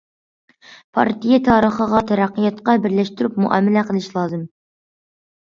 پارتىيە تارىخىغا تەرەققىياتقا بىرلەشتۈرۈپ مۇئامىلە قىلىش لازىم.